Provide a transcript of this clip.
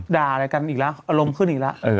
ด่าอะไรกันอีกแล้วอารมณ์ขึ้นอีกแล้ว